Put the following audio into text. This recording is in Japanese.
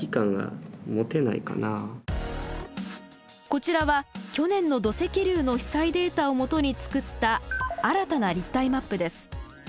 こちらは去年の土石流の被災データを基に作った新たな立体マップです。